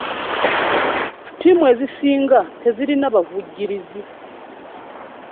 Ttiimu ezisinga tezirina bavugirizi.